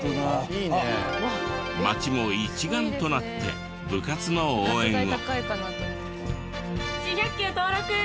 町も一丸となって部活の応援を。